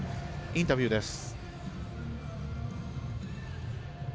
インタビューです。